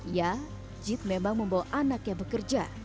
ya jid memang membawa anak yang bekerja